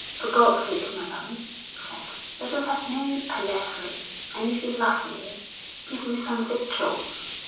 'For God's sake, madam,' he said, 'let us have no palavering, and if you love me give me some victuals!...'